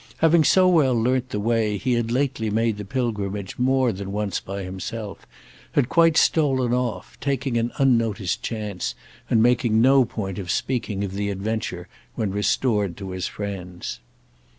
Having so well learnt the way, he had lately made the pilgrimage more than once by himself—had quite stolen off, taking an unnoticed chance and making no point of speaking of the adventure when restored to his friends.